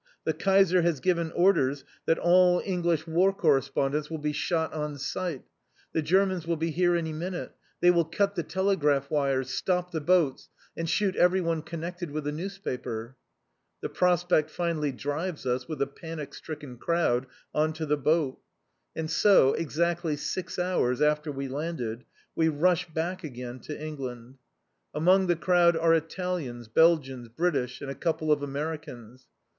The Kaiser has given orders that all English War Correspondents will be shot on sight. The Germans will be here any minute. They will cut the telegraph wires, stop the boats, and shoot everyone connected with a newspaper." The prospect finally drives us, with a panic stricken crowd, on to the boat. And so, exactly six hours after we landed, we rush back again to England. Among the crowd are Italians, Belgians, British and a couple of Americans.